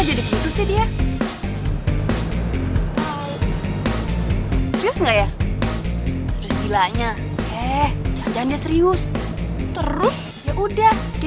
abang biarkan di air nge